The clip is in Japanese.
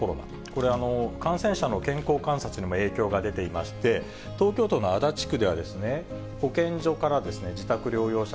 これ、感染者の健康観察にも影響が出ていまして、東京都の足立区では、保健所から自宅療養者